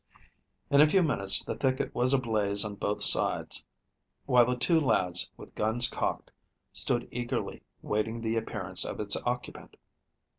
In a few minutes the thicket was ablaze on both sides, while the two lads, with guns cocked, stood eagerly waiting the appearance of its occupant.